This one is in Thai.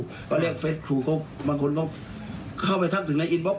เวลาเรียกเฟสครูบางคนก็เข้าไปทักถึงในอินบ็อก